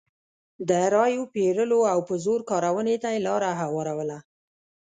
د رایو پېرلو او په زور کارونې ته یې لار هواروله.